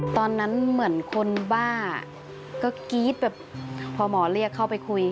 ตอนนั้นเหมือนคนบ้าก็กรี๊ดแบบพอหมอเรียกเข้าไปคุย